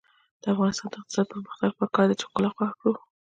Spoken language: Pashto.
د افغانستان د اقتصادي پرمختګ لپاره پکار ده چې ښکلا خوښه کړو.